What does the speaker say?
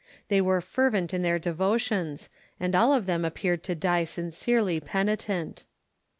They were fervent in their devotions, and all of them appeared to die sincerely penitent.